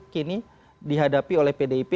kini dihadapi oleh pdip